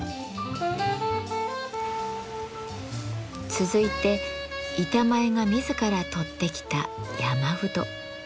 続いて板前が自ら採ってきた山うど。